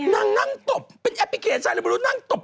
นางนั่งตบเป็นแอปพลิเคชัยไม่รู้นางตบ